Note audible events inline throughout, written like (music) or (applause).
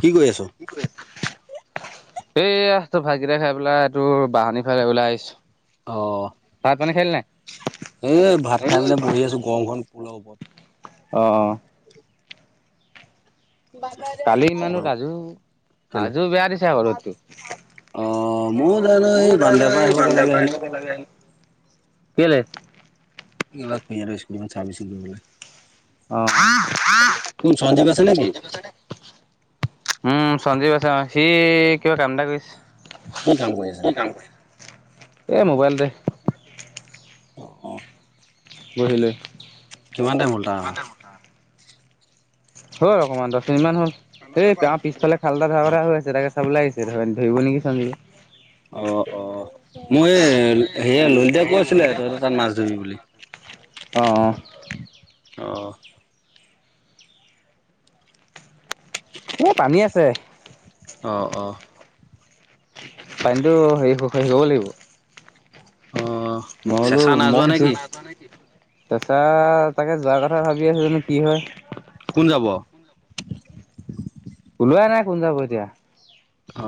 কি কৈ আছ? এ তোৰ ভাতকেইটা খাই পেলাই এই তোৰ বাহানিৰ ফালে ওলাই আহিছো। ভাত-পানী খালি নাই? এ ভাত খাই মানে বহি আছো গৰম খনত পোলৰ ওপৰত। অঁ-অ। কালি ইমানো অ', ৰাজু কেলে? ৰাজু বেয়া দিছে ৰদতো। অ ময়ো জানো এই বান্দা পৰা আহিবগে লাগে হেনো। (unintelligible) কেলে? এইবাৰ (unintelligible) অ-অ। (unintelligible) আছে নেকি? উম সঞ্জীৱ আছে। অ সি কিবা কাম এটা কৰিছে। কি কাম কৰি আছে? এই মোবাইলতে। অ। বহিলই কিমান টাইম ওলটা আহা? হল অকমান দহ মিনিটমান হ'ল। সেই গাঁৱৰ পিছফালে খাল এটা ধৰা কথা হৈ আছে। তাকে চাব লে আহিছিলোঁ। ধ ধৰিব নেকি ছাগে। অ-অ। মই এএ সেয়ে ললিতাই কৈছিলে, তহঁতে তাত মাছ ধৰিবি বুলি। অঁ, অঁ। অঁ। এ পানী আছে। অ অ পানীটো হেৰি সুখ হায়ি আহিবও লাগিব। অ নহলো চেঁচা নাই যোৱা মক জু নেকি? (unintelligible) তাছা সচাকে যোৱাৰ কথা ভাবি আছো। জানো কি হয়? কি হ'ব? ওলোৱাই নাই কোন যাব এতিয়া। অ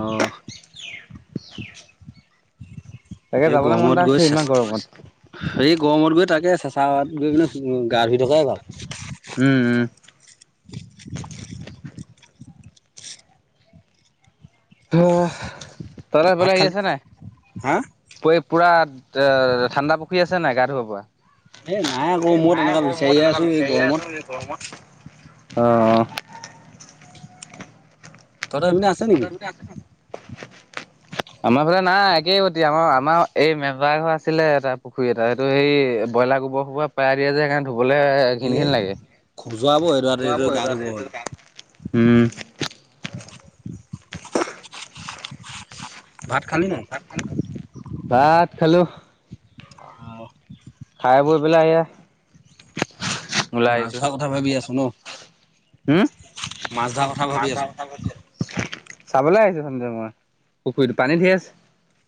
তাকে এই যাবলৈ মন এটা গৰমত আছে গৈ চা ইমান গৰমত হেৰি গৰমত গৈ তাকে চেচায়ত গৈ পিনে গা ধুই থকাই ভাল। উম, উম। (inaudible) অ তহঁতৰ ইফালে ভাত হেৰি খালি? আছে নে হা? নাই (unintelligible) পুৰা তে এ এ ঠাণ্ডা পুখুৰী আছে নাই গা ধুব পৰা? এ নাই আকৌ এই মই নাই তেনেকুৱা আক মই বিচাৰিয়ে তেনেকা আছো এই বিচাৰিহে গৰমত। আছো এই গৰমত। অঁ, অঁ। তহঁতৰ হেপিনে আছে নেকি? (inaudible) আমাৰ ফালে নাই একেই গতি। আমা আমা এই মেজা ঘৰ আছিলে এটা পুখুৰী এটা। সেটো সেই ব্ৰইলা তা গোব পেয়াই দিয়ে যে সেইকানে ধু বুলে ঘিন ঘিন এই লাগে। খজুৱাব এইডৰা গা ধুব হ'লে। (unintelligible) হুম। ভাত খালি নাই? ভাত খালা? ভাত খালো। অ, অ। খাই বৈ পেলাই হেয়া মাছ ধৰা কথা ভাবি আছো ন! হোম! মাছ ধৰা কথা ভাবি মাছ ধৰা আছো। কথা কৈছে। চাবলৈ আহিছো চোন যে মই পুখুৰীতো পানী ধেই আছে।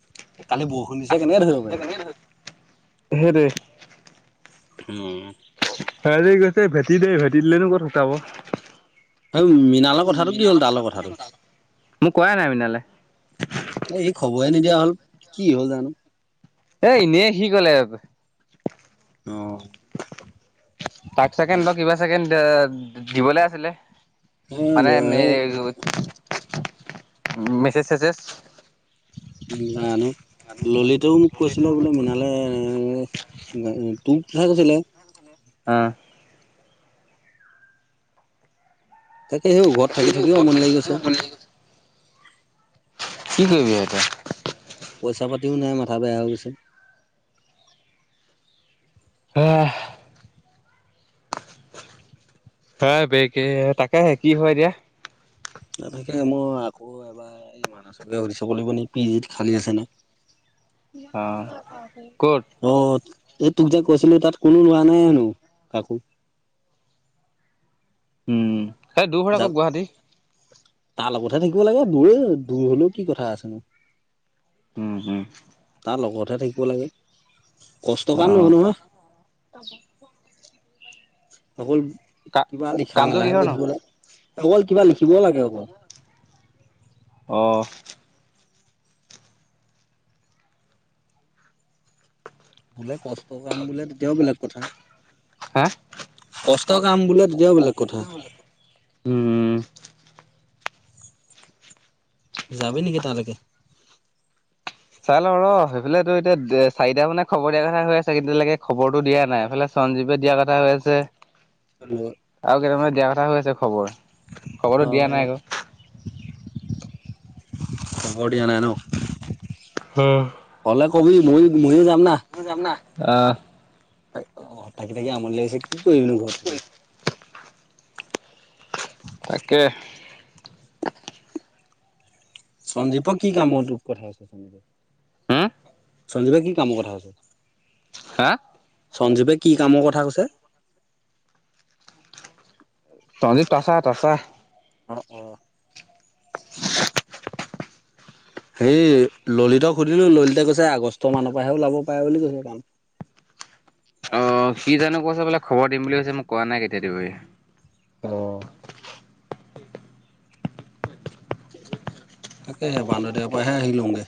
কালি বৰষুণ দিছে কেনেকে ধৰিব পাৰিম? সেদে। উম! হেতি কৈছে ভেটি দে, ভেটি দিলেনো ক'ত শুকাব। সেই মৃণাল কথাটো কি হ'ল? ডাল কথাটো, মোক কোৱাই নাই মৃণালে। এই খবৰে নিদিয়া হ'ল, কি হ'ল জানো? এ এনেই সি কলে আব, অঁ! তাক চেকেন ত কিবা চেকেন দিবলে আছিলে! এই মানে মেৰে অ, মেচেজ চেছেছ। জানো ললিতাও মোক কৈছিলে বোলে মৃনালে এএ! তো কঠাই কৈছিলে। আঁহ! তাকে সেইও ঘৰত থাকি থাকিও আমনি লাগি গৈছে। কি কৰিবি হয় এতিয়া! পইচা পাতিও নাই, মাথা বেয়া হৈ গৈছে। সেয়াহ! হ বেকে তাকেহে কি হয় এতিয়া? নাথাকে, মই আকৌ এবাৰ এই মানচকে সুদি চাব লাগিব নেকি পি জিত খালি আছে নে? উ উ! অ এই তোক যে কৈছিলো তাত কোনো লোৱা নাই হেনো কাকো উম সেই দূৰ হয় যা আকৌ গুৱাহাটী তাৰ লগতহে থাকিব লাগে দূৰে দূৰ হলেও কি কথা আছেনো উম হম তাৰ লগতহে থাকিব লাগে কষ্ট অ কাম নহয় নহয় অকল কিবা লিখা কামটো মেলাহ কিহৰ হে নো কৰি থাকিব লাগে অকল কিবা লিখিব লাগে অকল অ বোলে কষ্ট কাম বোলে তেতিয়াও বেলেগ কথা হা কষ্ট কাম বোলে তেতিয়াও বেলেগ কথা উম যাবি নেকি তালৈকে চাই লও ৰ সেইফালেতো এতিয়া চাৰিটা মানে খবৰ দিয়া কথা হৈ আছে এইকেইদিনলেকে খবৰটো ত দিয়া নাই এইফালে সঞ্জীৱে দিয়া কথা হৈ আছে আৰু কেইটামানে দিয়া কথা হৈ আছে খবৰ খবৰটো দিয়া অ নাই আকৌ খবৰ দিয়া নাই ন হলে কবি মই ময়ো যাম না অ অ থাকি থাকি আমনি লাগিছে কি কৰিবি নো ঘৰত থাকি তাকে সন্দীপক কি কামৰ টোক কথাই আছে হম সন্দীপ সঞ্জিবে কি কামৰ কথা কৈছে? হা সঞ্জীৱে কি কামৰ কথা কৈছে? সঞ্জীৱ তাচা তাচা অ অ। হেই ললিতক সুধিলো ললিতে কৈছে আগষ্ট মানৰ পৰাহে ওলাব পাৰে বুলি কৈছে কাম। অ কি জানো কৈছে বোলে খবৰ দিম বুলি কৈছে মোক কোৱা নাই কেতিয়া দিব। আহ। তাকেহে বান্দৰ দেয়াৰ পৰা হে আহি লংগে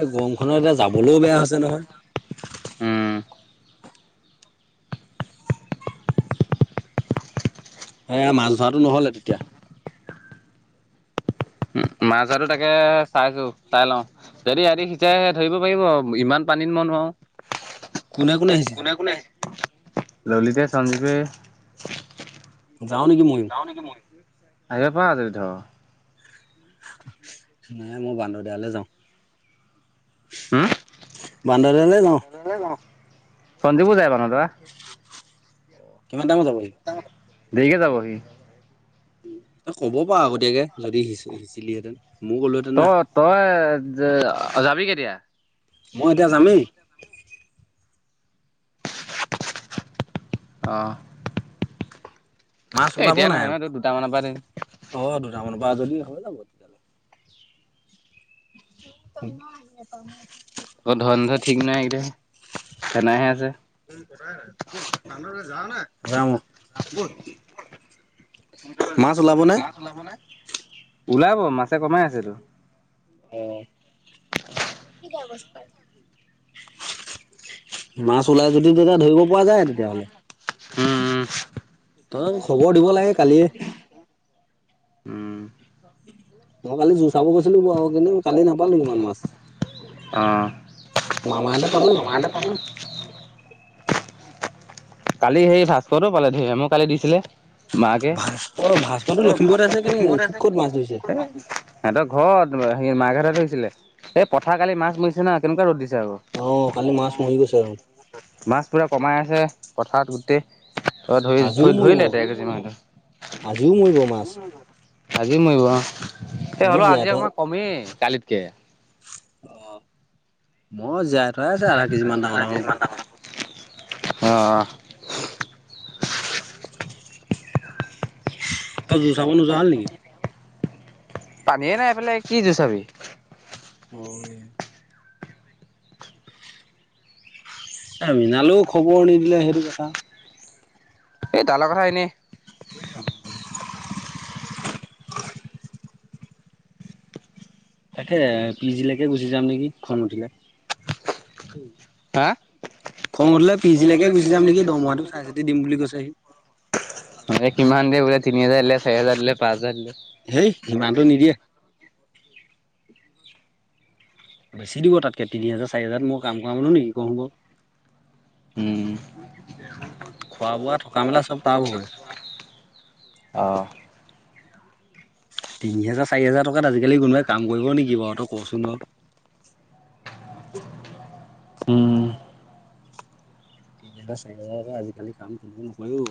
এই গৰমখনত এতিয়া যাবলৈও বেয়া হৈছে নহয়। উম, এ মাছ ধৰাটো নহলে তেতিয়া মাছ আৰুটো তাকে চাইছো চাই লওঁ যদি ইতি সিচাই ধৰিব পাৰিব ইমান পানীত মই মই নোৱাৰোঁ। কোনে কোনে হিঁচিছে? ললিতে সঞ্জিভে যাও নেকি ময়ো আহিব পাৰা যদি থাক নাই মই বান্দ দেয়ালে যাও। হুম, বান্দদেয়া লে যাওঁ। সঞ্জিবো যায় বান্দৰৰ্দুয়া। অ কিমান টাইমত যাব সি দেৰিকে যাব সি উ তই ক'ব পাৰ আগতীয়াকে যদি সি সিঁচিলিহেতেন। তই তই যাবি কেতিয়া মই এতিয়া যামেই অ মাছ এ ওলাব এতিয়া নাই নহয় নহয় তোৰ দুটামানৰ পৰা দিম। অ দুটামান পা যদি হৈ যাব তেতিয়া হলে (unintelligible) আকৌ ধন ধ ঠিক নহয় এতি সেনাহে আছে? যাৱনে, যাওঁ বল। মাছ ওলাব ন ওলাব মাছে কমাই আছে টো। অ কি অৱস্থা। পৰা যায় উম তাক খবৰ দিব লাগে কালিয়ে। উম, উম, মই কালি যু চাব গৈছিলো ব কিন্তু কালি নাপালো ইমান মাছ। অ'। মামাহেতে পালে। কালি সেই ভাস্কৰহতেও পালে ধেৰ মোক কালি দিছিলে। মাকে ভাস্কৰ ভাস্কৰটো ভ লখিমপুৰত আছে কেনে সি ক'ত মাছ ধৰিছে সিহতৰ ঘৰত। সেই মাকহতে ধৰিছিলে এই পথাৰ কালি মাছ মৰিছে না কেনেকোৱা ৰ'দ দিছিল। অ কালি মৰি গৈছে অ', মাছ পুৰা কমাই আছে পথাৰত গোটেই। ত ধৰি আজিও মৰিব ধৰিলে দে কেজি মান। আজিও মৰিব মাছ আজি মৰিব এই মই হলও জীয়াই আজি অকণমান কমেই কালিতকে। অ মই জীয়াই থৰা আছে আধা কেজি মান ডাঙৰ ডাঙৰ অঁ। ত জো চাব নোযোৱা হলি নিকি? পানীয়ে নাই পেলাই কি জোৰ চাবি। অ এ মৃণালেও খবৰ নিদিলে সেইটো কথা। এই তালা কথা এনে তাকে পি জিলৈকে গুচি যাম নেকি খন উঠিলে। হা। খং উঠিলে পি জিলৈকে গুচি যাম নেকি দৰমহাটো চাই চিতি দিম বুলি কৈছেহি মানে কিমান দিয়ে বোলে তিনি হাজাৰ দিলে চাৰি হাজাৰ দিলে পাঁচ হাজাৰ দিলে। হেই সিমানটো নিদিয়ে। বেছি দিব তাতকে তিনি হাজাৰ চাৰি হাজাৰ মই কাম কৰা মানো নেকি কম ক।। উম। খোৱা বোৱা থকা মেলা চব তাৰ ভাগৰে। অ তিনি হেজাৰ চাৰি হেজাৰ টকাত আজিকালি কোনোবাই কাম কৰিব নেকি বাৰু তই- কচোন বাৰু। উম। তিনি হাজাৰ চাৰি হাজাৰ আজিকালি কাম কোনো নকৰে অ।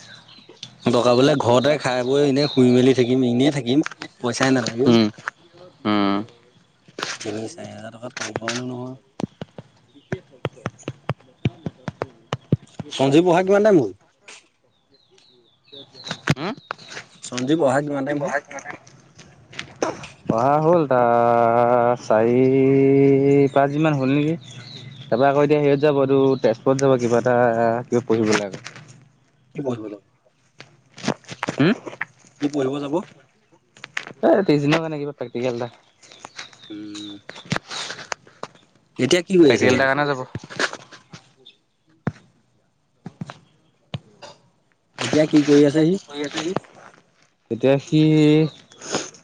(unintelligible) টকা বোলে ঘৰতে খাই বৈ এনেই শুই মেলি থাকিম, এনেই থাকিম পইচাই নালাগেও। উম উম। তিনি চাৰি হাজাৰ টকাত কাম কৰা মানুহ নহয়। সঞ্জীৱ বহা কিমান টাইম হল। উম সঞ্জীৱ অহা কিমান টাইম হ'ল পঢ়া হল তাৰ। চাৰি পাঁছ দিন মান হ'ল নেকি। তাৰপৰা আকৌ এতিয়া হেৰিত যাব তটো তেজপুৰত যাব কিবা এটা কিবা পঢ়িবলৈ আকৌ। কি পঢ়িবলৈ? হম। কি পঢ়িব যাব। এই তিছদিন কাৰণে কিবা প্ৰেক্টিকেল এটা। উম এতিয়া কি কৰি আছে প্ৰেক্টিকেল সি এটাৰ কাৰণে যাব। এতিয়া কি? কৰি আছে আ সি তেতিয়া সি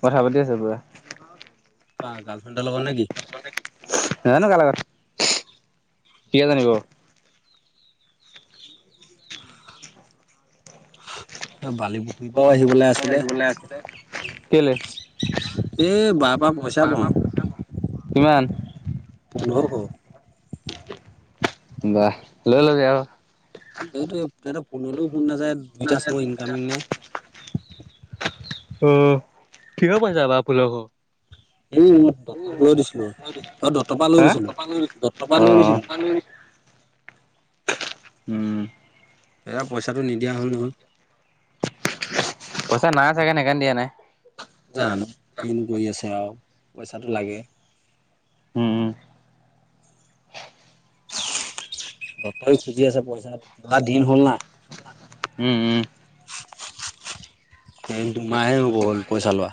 কথা পাতি আছে পোৰা। কা গাল। নাজানো কা লগত। সিহে জানিব। বালি পুখুৰীৰ পৰাও আহিবলে আছিলে। কেলে এই বাপা পইচা পাওঁ। কিমান। পোন্ধৰশ। বা লৈ লবি আক। এইটোৱে তাহাত ফোন মাৱিলেও ফোন নাযায় দুইটা চিম ইনকামিং নাই। অ' কিহ পইচা পাওঁ পোন্ধৰশ। এই মই দত্তক লৈ হেই দিছিলো অ দত্তৰ পৰা অহ লৈ দিছিলো দত্তৰ পৰা হে লৈ দিছিলো অ অ। উম। এয়া পইচাটো নিদিয়া হ'ল নহয়। পইচা নাই চাগে সেকানে দিয়া নাই। জানো কিনো কৰি আছে আও পইচাটো লাগে। উম উম। তত খুজি আছে পইচা কিবা দিন হ'ল না। উম উম। কেই দুমাহে হ'ব হল পইচা লোৱা।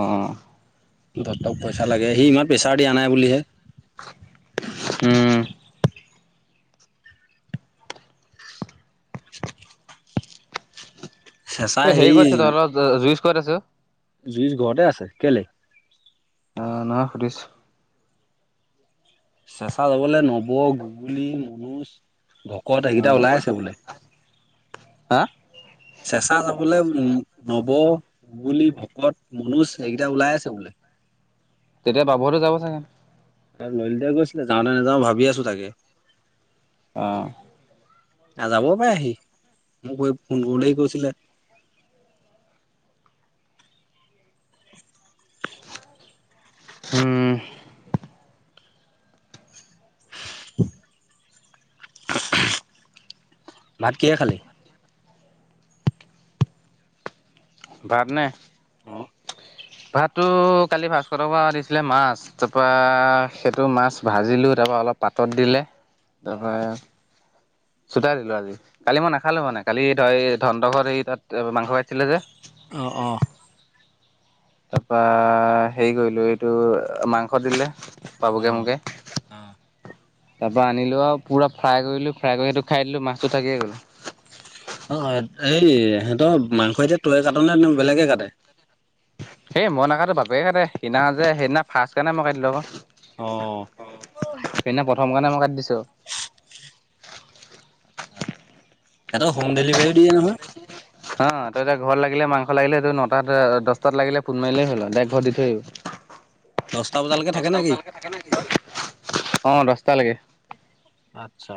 অঁ। দত্তক পইচা লাগে সি ইমান প্ৰেছাৰ দিয়া নাই বুলিহে। উম এ, হেৰি কত আছে তহত জুইজ কত আছে অ। জুইচ ঘৰতে আছে কেলে? অ নহয় সুধিছো। চেঁচা যাবলে নৱ গুগলী মনোজ ভকত অ এইকেইটা ওলাই আছে বোলে। হা? চেঁচা যাবলৈ নৱ, গুগোলী, ভকত, মনোজ এইকেইটা ওলাই আছে বোলে তেতিয়া বাবুহতো যাব চাগে? ললিতে কৈছিলে যাও নে নাযাও ভাবি আছো তাকে অহ নাযাবও পাৰে সি মোক কৈ ফোন কৰোতে কৈছিলে (unintelligible) উম (unintelligible) ভাত কিহে খালি? ভাত নে, অ ভাততো কালি ভাস্কৰ হতৰ পৰা দিছিলে মাছ তাৰপৰা সেইটো মাছ ভাজিলো তা ৰপৰা অলপ পাতত দিলে তাৰপৰা চোতাই দিলো আজি কালি মই নাখালো মানে কালি ধ ধন হতৰ ঘৰ এই তাত মাংস ভাজিছিলে যে অ অ তাৰপা হেৰি কৰিলো এইটো মাংস দিলে বাবুকে অহ অহ তাৰ পৰা আনিলো আও পুৰা ফ্ৰাই কৰিলোঁ ফ্ৰাই কৰি সেইটো খাই দিলো মাছটো থাকিয়ে গ'ল অ এই সিহঁতৰ মাংস এতিয়া তয়ে কাট নে বেলেগে কাটে? সেই মই নাকাটো বাপেকে কাটে সেইদিনা যে সেইদিনা ফাৰ্ষ্ট কাৰণে মই কাটিলো আক অ প্ৰথম কাৰণে মই কাটি দিছো ইয়াত অ হোম ডেলিভাৰীও দিয়ে নহয় হ তই এতিয়া ঘৰত লাগিলে মাংস লাগিলে সেইটো নটাত দহটাত লাগিলে ফোন মাৰিলেই হল আও‌ ডাইৰেক্ট ঘৰত দি থৈ দহটা আহিব। বজালৈকে থাকে দহটা নেকি? বজালৈকে থাকে নেকি অ দহটালৈকে আচ্ছা